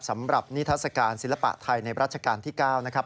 สำหรับนิทัศกาลศิลปะไทยในรัชกาลที่๙นะครับ